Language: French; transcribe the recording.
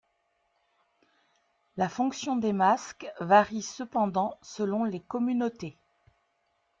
La fonction des masques varie cependant selon les communautés.